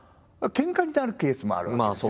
けんかになるケースもあるわけですよ。